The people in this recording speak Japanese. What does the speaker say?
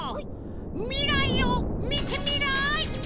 みらいをみてみらい！